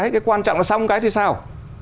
cái quan trọng là xong cái thì sao